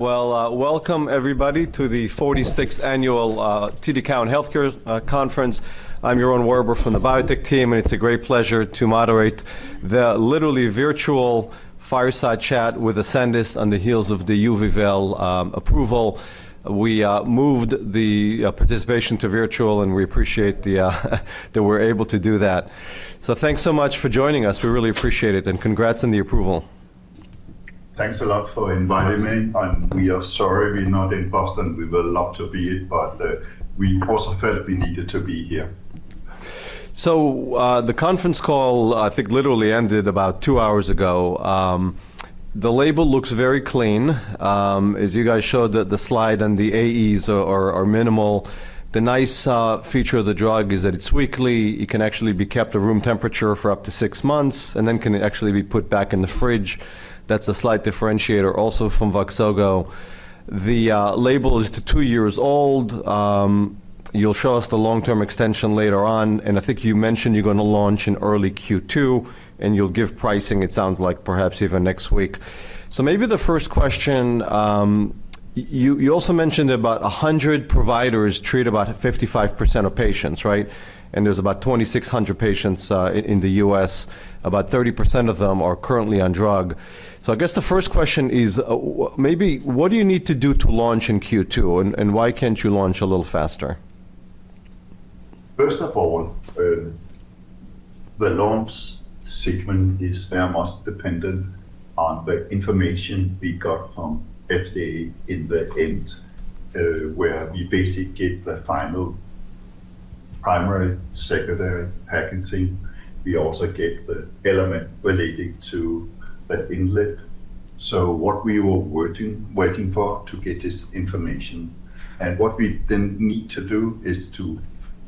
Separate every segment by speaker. Speaker 1: Well, welcome everybody to the 46th annual TD Cowen Healthcare Conference. I'm Yaron Werber from the biotech team, and it's a great pleasure to moderate the literally virtual fireside chat with Ascendis on the heels of the YUVIWEL approval. We moved the participation to virtual, and we appreciate that we're able to do that. Thanks so much for joining us. We really appreciate it, and congrats on the approval.
Speaker 2: Thanks a lot for inviting me, and we are sorry we're not in Boston. We would love to be, but we also felt we needed to be here.
Speaker 1: The conference call I think literally ended about two hours ago. The label looks very clean. As you guys showed the slide and the AEs are minimal. The nice feature of the drug is that it's weekly, it can actually be kept at room temperature for up to six months, and then can actually be put back in the fridge. That's a slight differentiator also from VOXZOGO. The label is two years old. You'll show us the long-term extension later on, and I think you mentioned you're gonna launch in early Q2, and you'll give pricing, it sounds like perhaps even next week. Maybe the first question... You also mentioned about 100 providers treat about 55% of patients, right? There's about 2,600 patients in the U.S. About 30% of them are currently on drug. I guess the first question is, maybe what do you need to do to launch in Q2, and why can't you launch a little faster?
Speaker 2: First of all, the launch segment is very much dependent on the information we got from FDA in the end, where we basically get the final primary, secondary packaging. We also get the element relating to the inlet. What we were waiting for to get this information. What we then need to do is to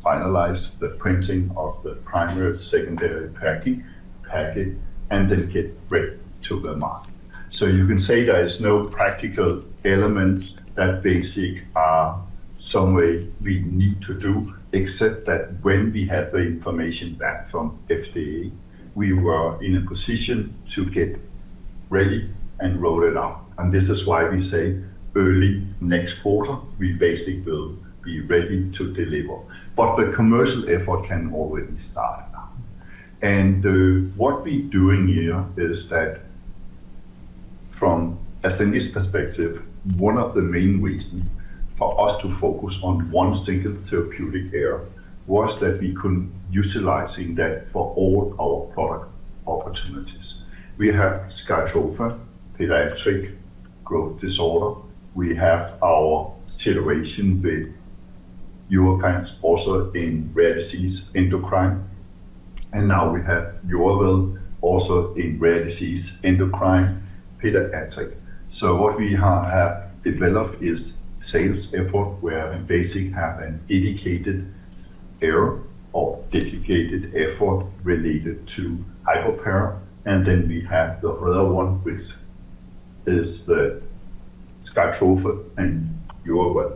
Speaker 2: finalize the printing of the primary, secondary packing, and then get ready to go to market. You can say there is no practical elements that basic, some way we need to do, except that when we have the information back from FDA, we were in a position to get ready and roll it out. This is why we say early next quarter, we basically will be ready to deliver. The commercial effort can already start now. What we're doing here is that from Ascendis perspective, one of the main reason for us to focus on one single therapeutic area was that we could utilizing that for all our product opportunities. We have SKYTROFA pediatric growth disorder. We have our collaboration with Europeans also in rare disease endocrine. Now we have YUVIWEL also in rare disease endocrine pediatric. What we have developed is sales effort where in basic have an indicated area or dedicated effort related to hypoparathyroid. Then we have the other one which is the SKYTROFA and YUVIWEL.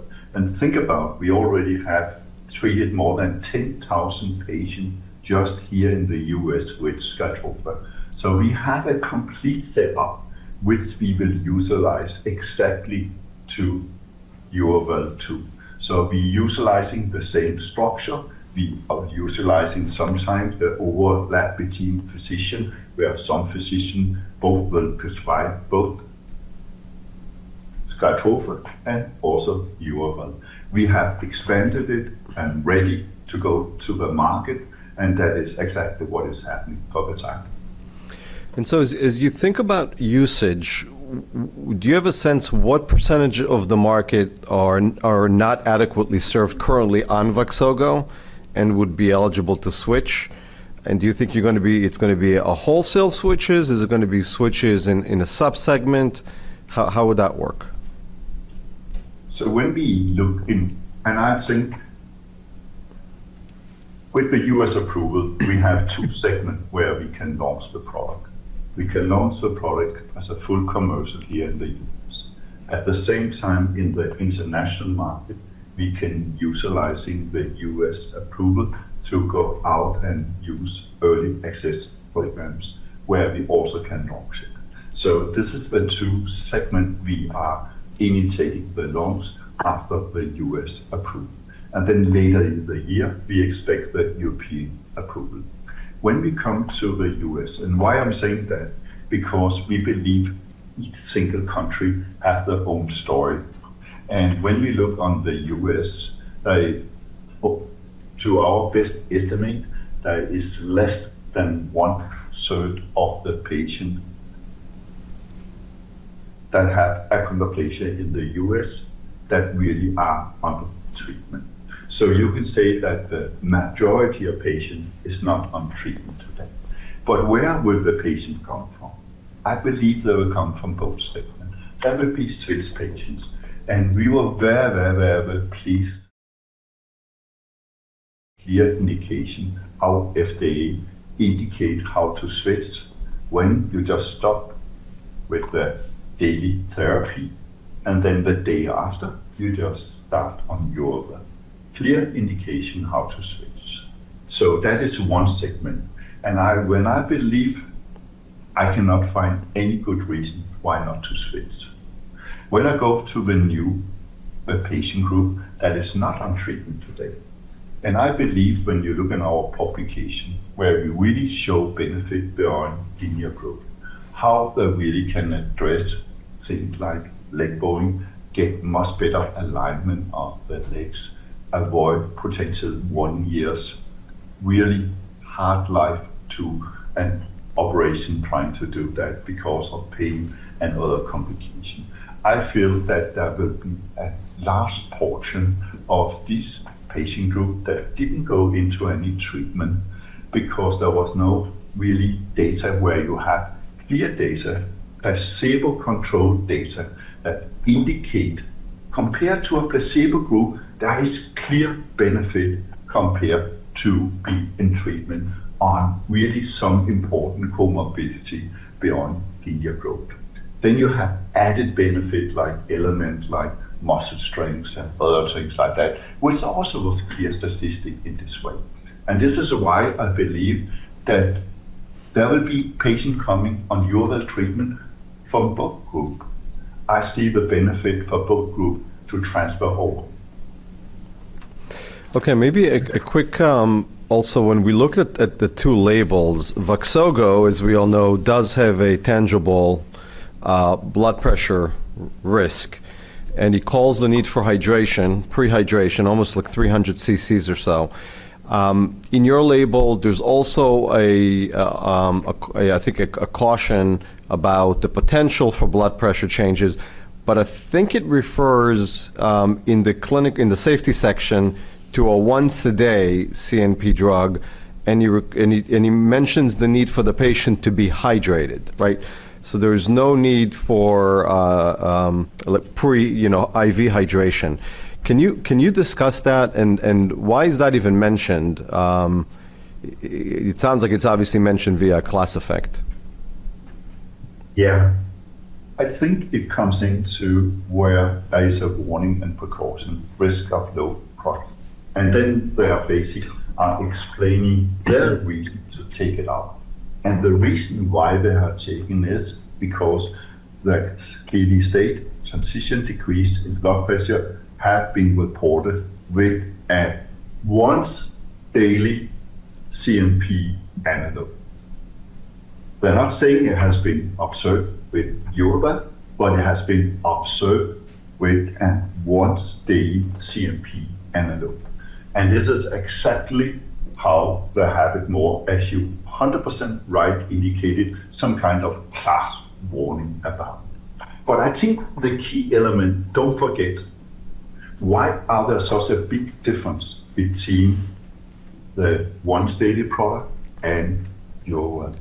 Speaker 2: Think about we already have treated more than 10,000 patient just here in the U.S. with SKYTROFA. We have a complete setup which we will utilize exactly to YUVIWEL, too. We utilizing the same structure. We are utilizing sometimes the overlap between physician, where some physician both will prescribe both SKYTROFA and also YUVIWEL. We have expanded it and ready to go to the market, and that is exactly what is happening over time.
Speaker 1: As you think about usage, do you have a sense what percentage of the market are not adequately served currently on VOXZOGO and would be eligible to switch? Do you think it's gonna be a wholesale switches? Is it gonna be switches in a sub-segment? How would that work?
Speaker 2: When we look, I think with the U.S. approval, we have two segment where we can launch the product. We can launch the product as a full commercial here in the U.S. At the same time, in the international market, we can utilizing the U.S. approval to go out and use early access programs where we also can launch it. This is the two segment we are imitating the launch after the U.S. approve. Later in the year, we expect the European approval. When we come to the U.S., and why I'm saying that, because we believe each single country have their own story. When we look on the U.S., to our best estimate, there is less than one third of the patient that have hypoparathyroidism in the U.S. that really are on treatment. You can say that the majority of patient is not on treatment today. Where will the patient come from? I believe they will come from both segment. There will be switched patients, and we were very, very, very pleased clear indication how FDA indicate how to switch when you just stop with the daily therapy, and then the day after you just start on YUVIWEL, clear indication how to switch. That is one segment. I believe I cannot find any good reason why not to switch. When I go to the new, patient group that is not on treatment today, and I believe when you look in our publication where we really show benefit beyond linear growth, how they really can address things like leg bowing, get much better alignment of the legs, avoid potential one year's really hard life to an operation trying to do that because of pain and other complication. I feel that there will be a large portion of this patient group that didn't go into any treatment because there was no really data where you have clear data, a stable controlled data that indicate compared to a placebo group, there is clear benefit compared to being in treatment on really some important comorbidity beyond linear growth. You have added benefit like element, like muscle strength and other things like that, which also was clear statistic in this way. This is why I believe that there will be patient coming on YUVIWEL treatment from both group. I see the benefit for both group to transfer over.
Speaker 1: Okay. Maybe a quick. Also, when we look at the two labels, VOXZOGO, as we all know, does have a tangible blood pressure risk, and it calls the need for hydration, pre-hydration, almost like 300 cc's or so. In your label, there's also a caution about the potential for blood pressure changes. I think it refers in the safety section to a once-a-day CNP drug, and it mentions the need for the patient to be hydrated, right? There's no need for like pre, you know, IV hydration. Can you discuss that and why is that even mentioned? It sounds like it's obviously mentioned via class effect.
Speaker 2: Yeah. I think it comes into where there is a warning and precaution, risk of low product. They are basically explaining their reason to take it out. The reason why they are taking this, because the kidney state transition decreased in blood pressure have been reported with a once daily CNP analog. They're not saying it has been observed with YUVIWEL, but it has been observed with a once daily CNP analog. This is exactly how they have it more, as you 100% right, indicated some kind of class warning about. I think the key element, don't forget, why are there such a big difference between the once daily product and YUVIWEL?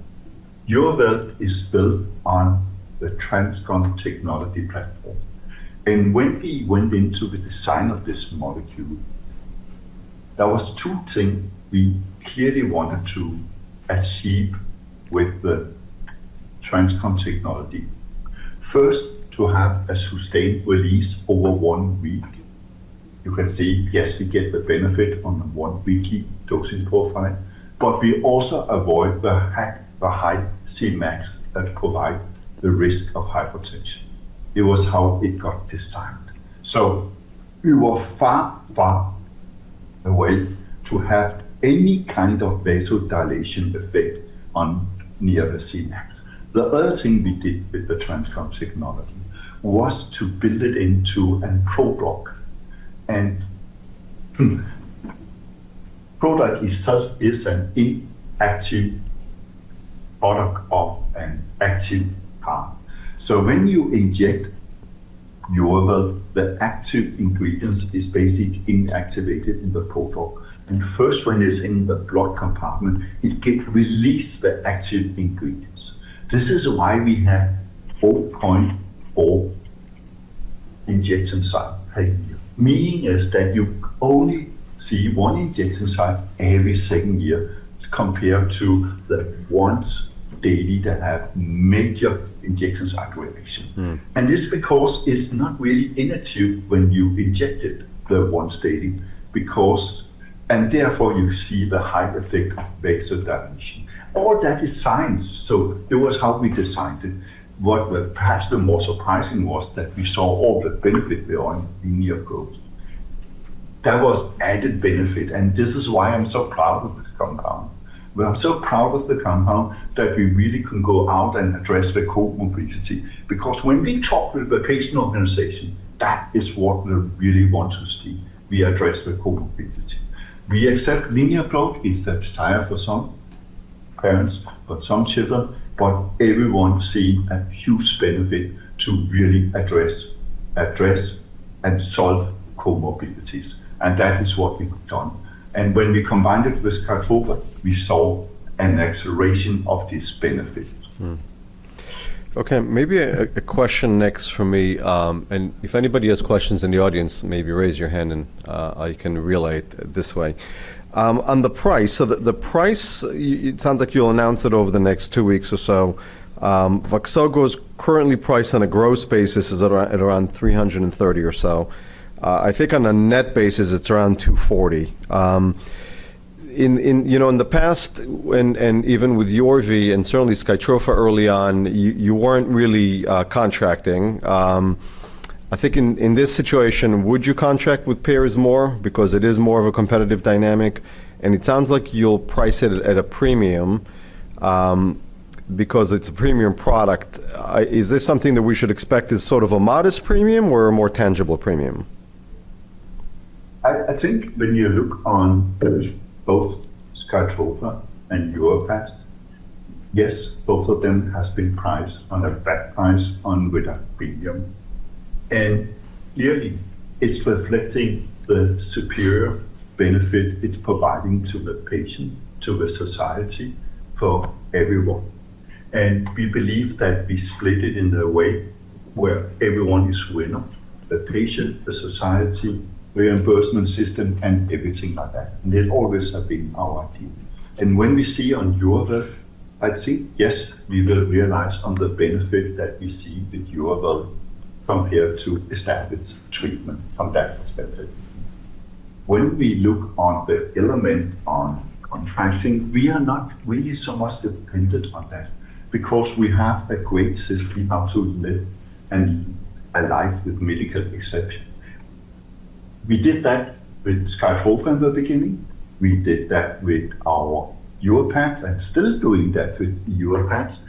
Speaker 2: YUVIWEL is built on the TransCon technology platform. When we went into the design of this molecule, there was two thing we clearly wanted to achieve with the TransCon technology. To have a sustained release over one week. You can see, yes, we get the benefit on the one-weekly dosing profile, but we also avoid the high Cmax that provide the risk of hypotension. It was how it got designed. We were far, far away to have any kind of vasodilation effect on near the Cmax. The other thing we did with the TransCon technology was to build it into a prodrug. Prodrug itself is an inactive product of an active path. When you inject YUVIWEL, the active ingredients is basically inactivated in the prodrug. First when it's in the blood compartment, it get released the active ingredients. This is why we have 4.4 injection site per year. Meaning is that you only see one injection site every second year compared to the once daily that have major injection site reaction.
Speaker 1: Mm.
Speaker 2: This because it's not really in a tube when you inject it, the once daily. Therefore, you see the high effect of vasodilation. All that is science. It was how we designed it. What were perhaps the most surprising was that we saw all the benefit beyond linear growth. That was added benefit, and this is why I'm so proud of this compound. I'm so proud of the compound that we really can go out and address the comorbidity. When we talk with the patient organization, that is what we really want to see. We address the comorbidity. We accept linear growth is the desire for some parents, for some children, but everyone see a huge benefit to really address and solve comorbidities. That is what we've done. When we combined it with Calcitriol, we saw an acceleration of this benefit.
Speaker 1: Okay, maybe a question next from me. If anybody has questions in the audience, maybe raise your hand and I can relay it this way. On the price. The price, it sounds like you'll announce it over the next two weeks or so. VOXZOGO is currently priced on a gross basis is around, at around $330 or so. I think on a net basis it's around $240. In, you know, in the past when, and even with YUVIWEL and certainly SKYTROFA early on, you weren't really contracting. I think in this situation, would you contract with payers more because it is more of a competitive dynamic? It sounds like you'll price it at a premium, because it's a premium product. is this something that we should expect as sort of a modest premium or a more tangible premium?
Speaker 2: I think when you look on both SKYTROFA and YORVIPATH, yes, both of them has been priced on a fair price with a premium. Clearly, it's reflecting the superior benefit it's providing to the patient, to the society, for everyone. We believe that we split it in a way where everyone is winner, the patient, the society, reimbursement system, and everything like that. They always have been our team. When we see on YORVIPATH, I think, yes, we will realize on the benefit that we see with YORVIPATH compared to established treatment from that perspective. When we look on the element on contracting, we are not really so much dependent on that because we have a great system how to live and a life with medical exception. We did that with SKYTROFA in the beginning. We did that with our YORVIPATH. Still doing that with YORVIPATH.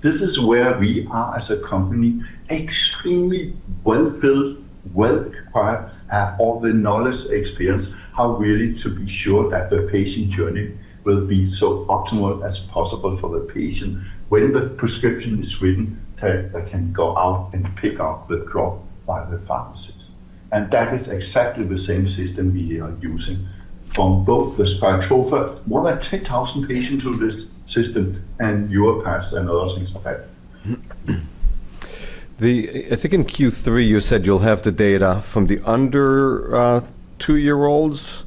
Speaker 2: This is where we are as a company extremely well-built, well-acquired, have all the knowledge, experience, how really to be sure that the patient journey will be so optimal as possible for the patient. When the prescription is written, they can go out and pick up the drop by the pharmacist. That is exactly the same system we are using from both the SKYTROFA, more than 10,000 patients on this system, and YORVIPATH and other things like that.
Speaker 1: The, I think in Q3 you said you'll have the data from the under two-year-olds,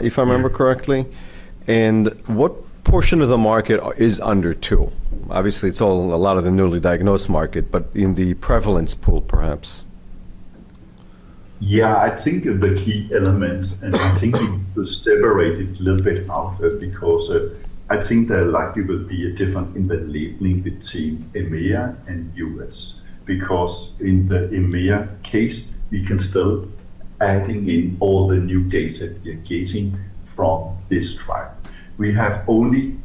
Speaker 1: if I remember correctly.
Speaker 2: Yeah.
Speaker 1: What portion of the market is under two? Obviously, it's all a lot of the newly diagnosed market, but in the prevalence pool perhaps.
Speaker 2: Yeah, I think the key element, I think we will separate it a little bit out because I think there likely will be a difference in the labeling between EMEA and U.S. In the EMEA case, we can still adding in all the new data we are getting from this trial. We have only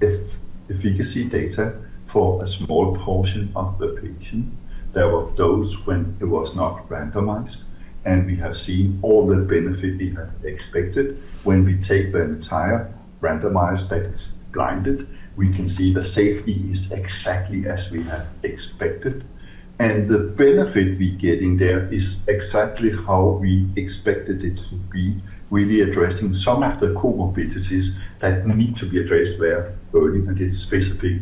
Speaker 2: efficacy data for a small portion of the patient. There were those when it was not randomized, and we have seen all the benefit we have expected. When we take the entire randomized that is blinded, we can see the safety is exactly as we have expected. The benefit we get in there is exactly how we expected it to be, really addressing some of the comorbidities that need to be addressed there early. It's specifically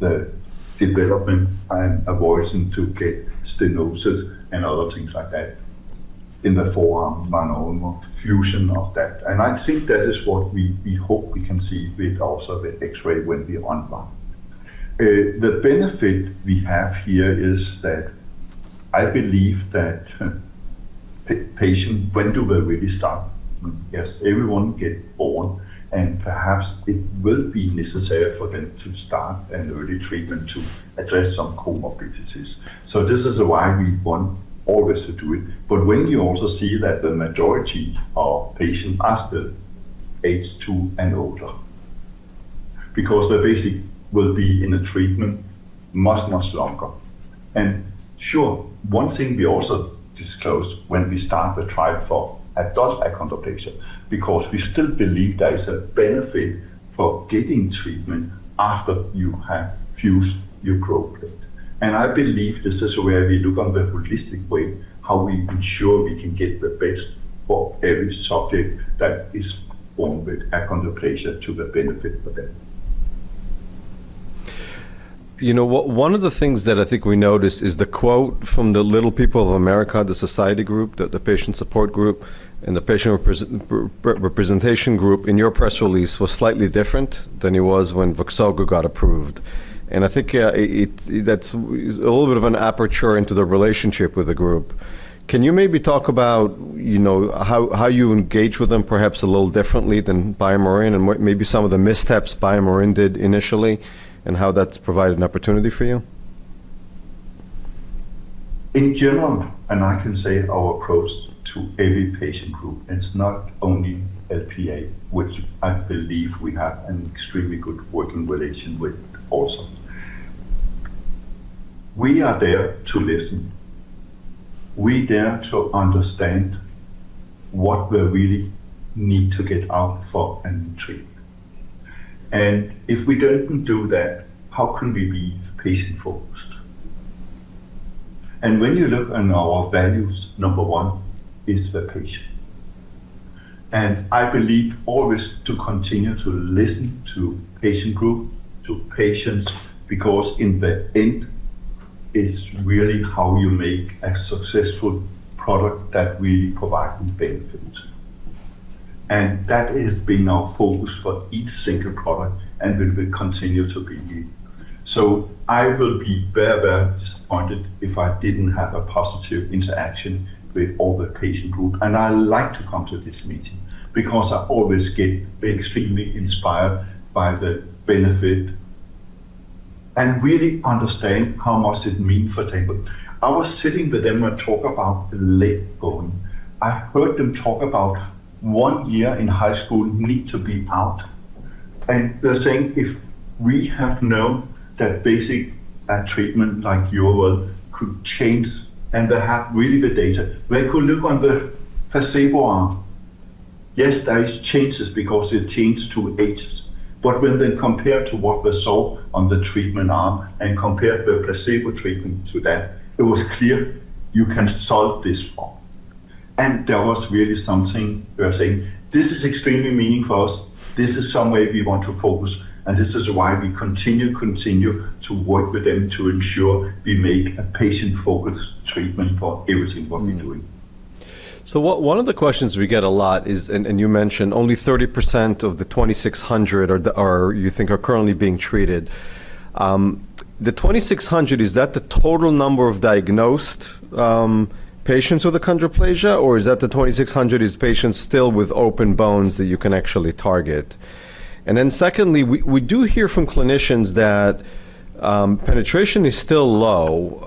Speaker 2: the development and avoiding to get stenosis and other things like that in the forearm, manual fusion of that. I think that is what we hope we can see with also the X-ray when we unblind. The benefit we have here is that I believe that patient, when do they really start? Yes, everyone get born, and perhaps it will be necessary for them to start an early treatment to address some comorbidities. This is why we want always to do it. When you also see that the majority of patient are still age two and older, because they basically will be in a treatment much, much longer. Sure, one thing we also disclose when we start the trial for adult achondroplasia, because we still believe there is a benefit for getting treatment after you have fused your growth plate. I believe this is where we look on the holistic way, how we ensure we can get the best for every subject that is born with achondroplasia to the benefit of them.
Speaker 1: You know, one of the things that I think we noticed is the quote from the Little People of America, the society group, the patient representation group in your press release was slightly different than it was when VOXZOGO got approved. I think that's a little bit of an aperture into the relationship with the group. Can you maybe talk about, you know, how you engage with them perhaps a little differently than BioMarin and what maybe some of the missteps BioMarin did initially and how that's provided an opportunity for you?
Speaker 2: In general, I can say our approach to every patient group, it's not only LPA, which I believe we have an extremely good working relation with also. We are there to listen. We're there to understand what we really need to get out for and treat. If we don't do that, how can we be patient-focused? When you look on our values, number one is the patient. I believe always to continue to listen to patient group, to patients, because in the end, it's really how you make a successful product that really provide them benefits. That has been our focus for each single product, and it will continue to be. I will be very, very disappointed if I didn't have a positive interaction with all the patient group. I like to come to this meeting because I always get extremely inspired by the benefit and really understand how much it mean for people. I was sitting with them and talk about the leg bone. I heard them talk about one year in high school need to be out. They're saying, if we have known that basic treatment like your world could change, and they have really the data. When you could look on the placebo arm, yes, there is changes because it changed to ages. When they compare to what we saw on the treatment arm and compare the placebo treatment to that, it was clear you can solve this problem. That was really something we are saying, "This is extremely meaningful for us. This is somewhere we want to focus, this is why we continue to work with them to ensure we make a patient-focused treatment for everything what we're doing.
Speaker 1: One of the questions we get a lot is, and you mentioned only 30% of the 2,600 are you think are currently being treated. The 2,600, is that the total number of diagnosed patients with achondroplasia, or is that the 2,600 is patients still with open bones that you can actually target? Secondly, we do hear from clinicians that penetration is still low.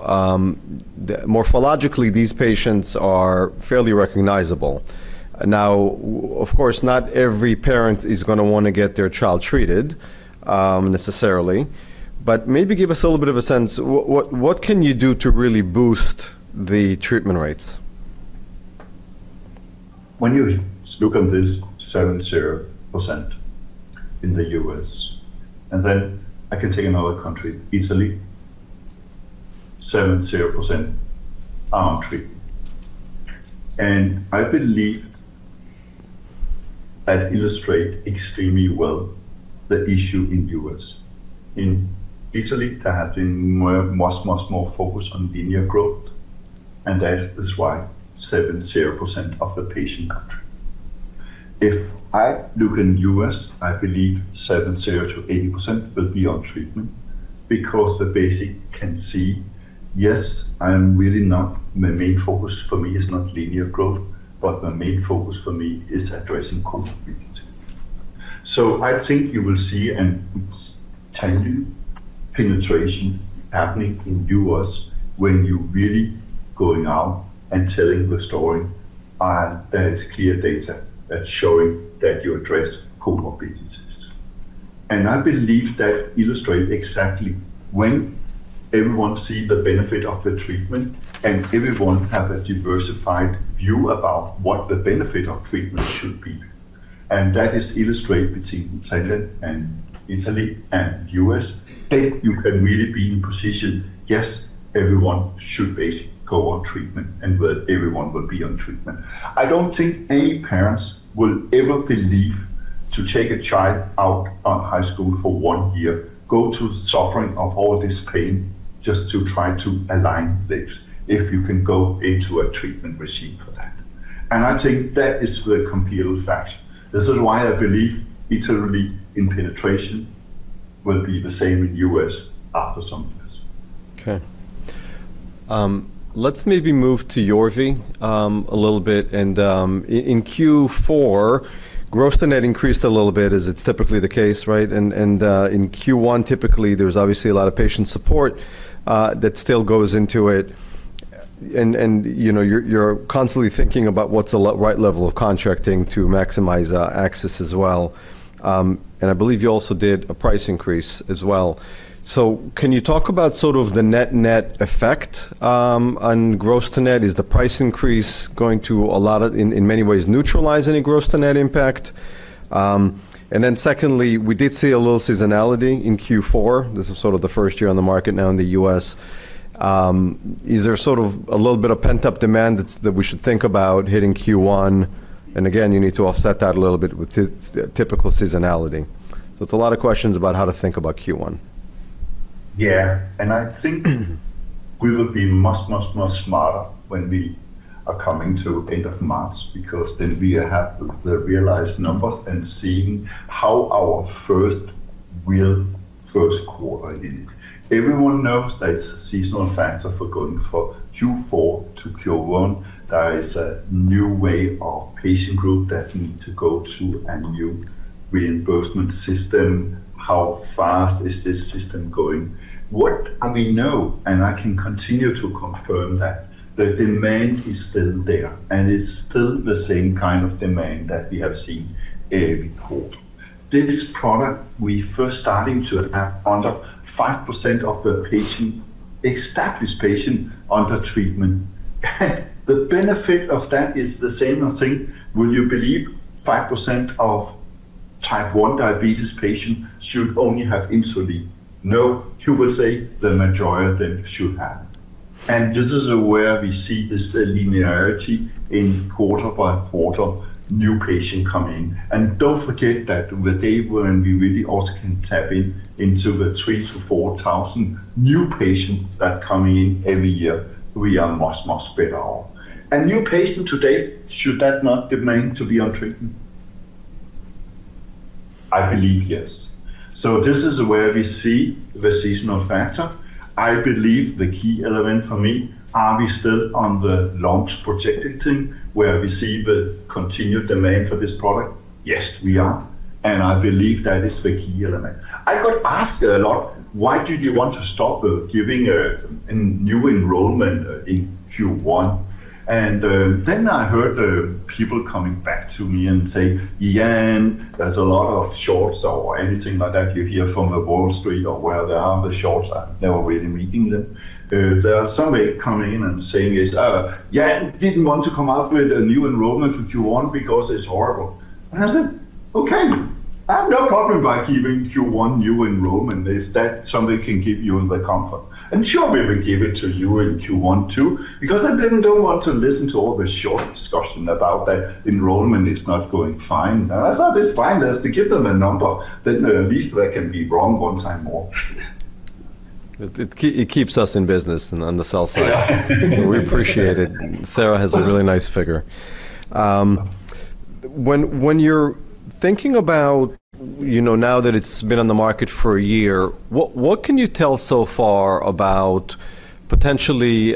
Speaker 1: Morphologically these patients are fairly recognizable. Now, of course, not every parent is gonna wanna get their child treated necessarily. Maybe give us a little bit of a sense, what can you do to really boost the treatment rates?
Speaker 2: When you look at this 70% in the U.S., and then I can take another country, Italy, 70% aren't treated. I believe that illustrate extremely well the issue in U.S. In Italy, there have been much, much more focus on linear growth, and that is why 70% of the patient are treated. If I look in U.S., I believe 70%-80% will be on treatment because the basic can see, yes, I am really not... My main focus for me is not linear growth, but my main focus for me is addressing comorbidities. I think you will see and it's telling you penetration happening in U.S. when you really going out and telling the story, and there is clear data that's showing that you address comorbidities. I believe that illustrate exactly when everyone see the benefit of the treatment, and everyone have a diversified view about what the benefit of treatment should be. That is illustrated between Thailand and Italy and U.S. You can really be in position, yes, everyone should basically go on treatment, and where everyone will be on treatment. I don't think any parents will ever believe to take a child out of high school for one year, go through suffering of all this pain just to try to align legs if you can go into a treatment regime for that. I think that is the compelling fact. This is why I believe Italy in penetration will be the same in U.S. after some years.
Speaker 1: Okay. Let's maybe move to YORVIPATH a little bit. In Q4, gross to net increased a little bit as it's typically the case, right? In Q1, typically, there's obviously a lot of patient support that still goes into it. You know, you're constantly thinking about what's the right level of contracting to maximize access as well. I believe you also did a price increase as well. Can you talk about sort of the net-net effect on gross to net? Is the price increase going to in many ways neutralize any gross to net impact? Secondly, we did see a little seasonality in Q4. This is sort of the first year on the market now in the U.S. Is there sort of a little bit of pent-up demand that we should think about hitting Q1? You need to offset that a little bit with typical seasonality. It's a lot of questions about how to think about Q1.
Speaker 2: I think we will be much, much, much smarter when we are coming to end of March because then we have the realized numbers and seeing how our first real first quarter is. Everyone knows that seasonal effects are forgotten for Q4 to Q1. There is a new way of patient group that we need to go to, a new reimbursement system. How fast is this system going? I mean, know, I can continue to confirm that the demand is still there, and it's still the same kind of demand that we have seen every quarter. This product we first starting to have under 5% of the patient, established patient under treatment. The benefit of that is the same thing. Will you believe 5% of Type 1 diabetes patient should only have insulin? No, you will say the majority of them should have. This is where we see this linearity in quarter by quarter new patient. Don't forget that the day when we really also can tap in, into the 3,000-4,000 new patients that coming in every year, we are much, much better off. A new patient today, should that not demand to be on treatment? I believe yes. This is where we see the seasonal factor. I believe the key element for me, are we still on the launch projecting thing, where we see the continued demand for this product? Yes, we are. I believe that is the key element. I got asked a lot, why did you want to stop giving a new enrollment in Q1? Then I heard the people coming back to me and say, "Jan, there's a lot of shorts," or anything like that you hear from Wall Street or where there are the shorts. Never really reading them. There are some that are coming in and saying, "Jan didn't want to come out with a new enrollment for Q1 because it's horrible." I said, "Okay, I have no problem by giving Q1 new enrollment if that somebody can give you the comfort. Sure, we will give it to you in Q1 too, because I don't want to listen to all the short discussion about that enrollment is not going fine." I thought this fine just to give them a number, then at least they can be wrong one time more.
Speaker 1: It keeps us in business on the sell side.
Speaker 2: Yeah.
Speaker 1: We appreciate it. Sarah has a really nice figure. When you're thinking about, you know, now that it's been on the market for a year, what can you tell so far about potentially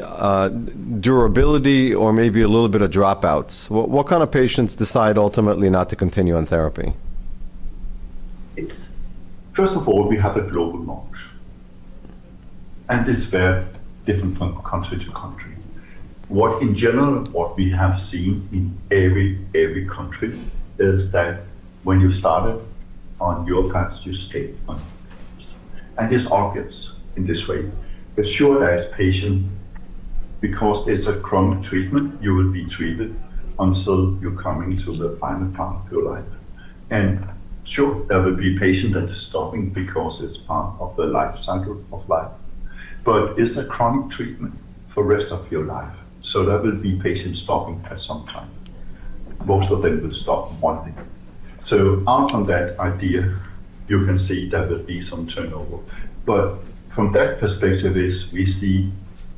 Speaker 1: durability or maybe a little bit of dropouts? What kind of patients decide ultimately not to continue on therapy?
Speaker 2: First of all, we have a global launch, and it's very different from country to country. What, in general, what we have seen in every country is that when you start it on YORVIPATH, you stay on YORVIPATH. This argues in this way, but sure there is patient, because it's a chronic treatment, you will be treated until you're coming to the final part of your life. Sure, there will be patient that is stopping because it's part of the life cycle of life. It's a chronic treatment for rest of your life. There will be patients stopping at some time. Most of them will stop wanting it. Out from that idea, you can see there will be some turnover. From that perspective is we see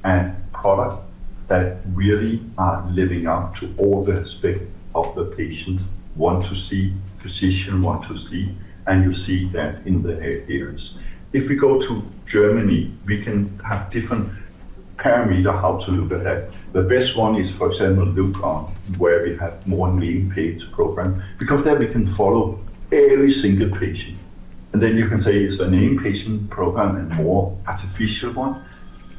Speaker 2: a product that really are living up to all the expect of the patient want to see, physician want to see, and you see that in the adherence. If we go to Germany, we can have different parameter how to look at that. The best one is, for example, look on where we have more named patient program, because there we can follow every single patient. Then you can say it's a named patient program and more artificial one.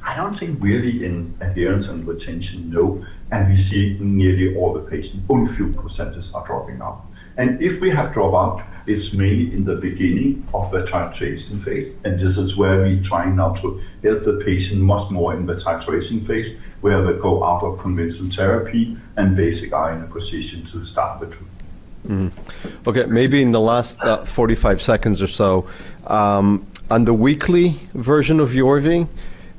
Speaker 2: I don't think really in adherence and retention, no. We see nearly all the patient, only few percentages are dropping off. If we have dropout, it's mainly in the beginning of the titration phase, and this is where we try now to help the patient much more in the titration phase, where they go off of conventional therapy and basic eye in a position to start the treatment.
Speaker 1: Okay, maybe in the last, 45 seconds or so, on the weekly version of YORVIPATH,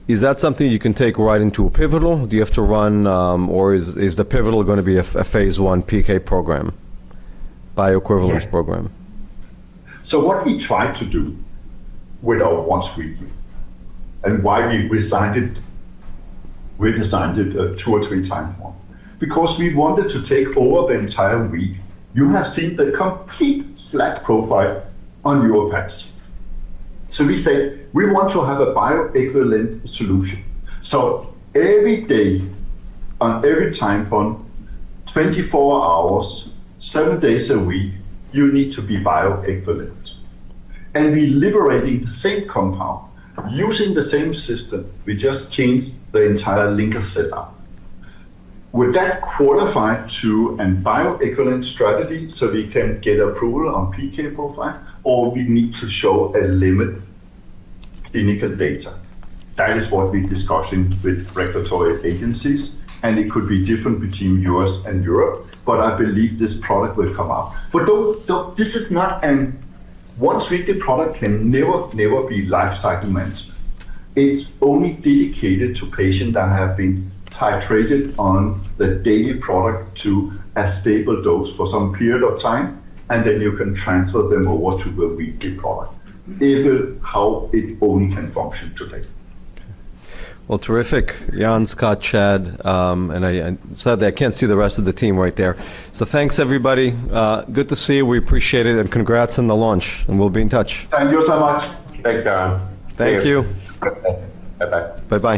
Speaker 1: is that something you can take right into a pivotal? Do you have to run, or is the pivotal gonna be a phase I PK program, bioequivalence program?
Speaker 2: Yeah. What we tried to do with our once-weekly, and why we redesigned it, 2 or 3x more, because we wanted to take over the entire week. You have seen the complete flat profile on your packs. We say, we want to have a bioequivalent solution. Every day, on every time point, 24 hours, seven days a week, you need to be bioequivalent. We liberating the same compound, using the same system, we just changed the entire linker setup. Would that qualify to a bioequivalent strategy so we can get approval on PK profile or we need to show a limit in E-cadherin data? That is what we're discussing with regulatory agencies, and it could be different between U.S. and Europe, but I believe this product will come out. Don't... This is not an... Once-weekly product can never be life cycle management. It's only dedicated to patient that have been titrated on the daily product to a stable dose for some period of time, and then you can transfer them over to the weekly product, if how it only can function today.
Speaker 1: Okay. Well, terrific. Jan, Scott, Chad, and I, sorry that I can't see the rest of the team right there. Thanks, everybody. Good to see you. We appreciate it, and congrats on the launch, and we'll be in touch.
Speaker 2: Thank you so much.
Speaker 1: Thanks, Jan. Thank you.
Speaker 2: Bye-bye.
Speaker 1: Bye-bye.